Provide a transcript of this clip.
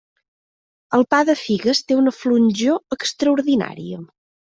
El pa de figues té una flonjor extraordinària.